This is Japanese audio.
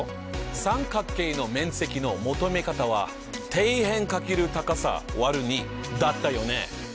三角形の面積の求め方は「底辺×高さ÷２」だったよね。